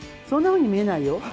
そんなふうに見えないよ。